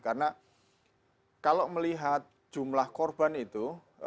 karena kalau melihat jumlah korban itu